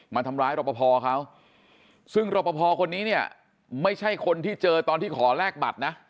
มาทำร้ายรอปภเขาซึ่งรอปภคนนี้เนี่ยไม่ใช่คนที่เจอตอนที่ขอแลกบัตรนะ